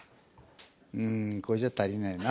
うーんこれじゃ足りないな。